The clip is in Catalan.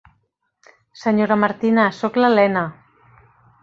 Senyora Martina, soc l'Elena.